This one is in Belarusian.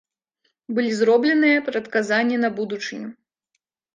Былі зробленыя прадказанні на будучыню.